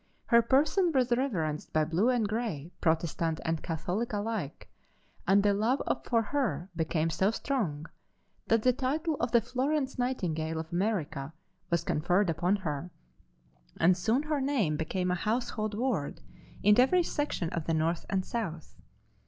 Her person was reverenced by Blue and Gray, Protestant and Catholic alike, and the love for her became so strong that the title of the 'Florence Nightingale' of America was conferred upon her, and soon her name became a household word in every section of the North and South."